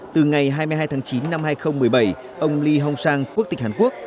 từ ngày hai mươi hai tháng chín năm hai nghìn một mươi bảy ông lee hong sang quốc tịch hàn quốc